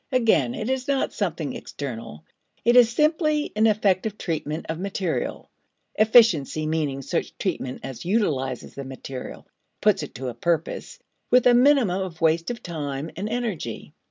Again, it is not something external. It is simply an effective treatment of material efficiency meaning such treatment as utilizes the material (puts it to a purpose) with a minimum of waste of time and energy.